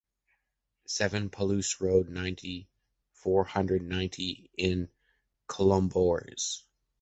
Seven, Pallus road, ninety, four hundred ninety in Colombiers.